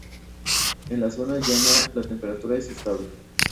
En la zona llana la temperatura es estable.